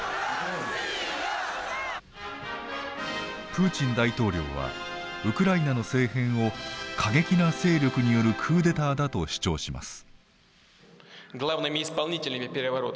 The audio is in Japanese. プーチン大統領はウクライナの政変を過激な勢力によるクーデターだと主張します。